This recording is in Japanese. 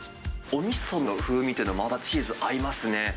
おみその風味っていうのが、またチーズと合いますね。